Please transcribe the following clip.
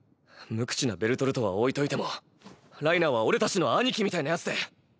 無口なベルトルトは置いといてもライナーはオレたちの兄貴みたいな奴で。